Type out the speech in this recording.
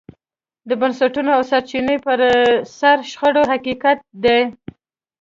د بنسټونو او سرچینو پر سر شخړې حقیقت دی.